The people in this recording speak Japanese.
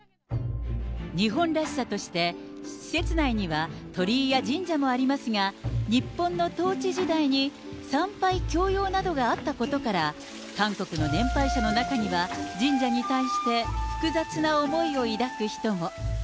日本らしさとして、施設内には鳥居や神社もありますが、日本の統治時代に参拝強要などがあったことから、韓国の年配者の中には、神社に対して複雑な思いを抱く人も。